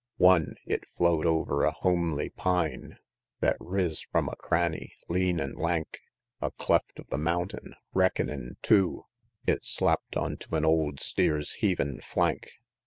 One! it flow'd over a homely pine Thet riz from a cranny, lean an' lank, A cleft of the mountain; reckinin' two, It slapp'd onto an' old steer's heavin' flank, XXIX.